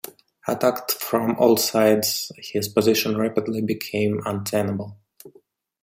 Attacked from all sides, his position rapidly became untenable.